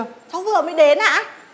cháu vừa mới đến ạ